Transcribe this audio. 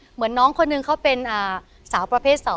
เหมือนน้องคนหนึ่งเขาเป็นสาวประเภท๒